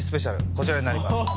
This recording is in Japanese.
こちらになります。